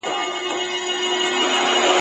د ښوونځي له هلکانو همزولانو څخه ..